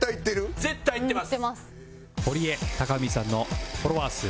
うんいってます。